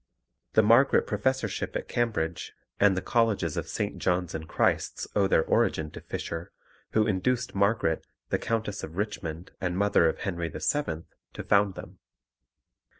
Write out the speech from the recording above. The Margaret Professorship at Cambridge and the Colleges of St. John's and Christ's owe their origin to Fisher, who induced Margaret, the Countess of Richmond and mother of Henry VII., to found them.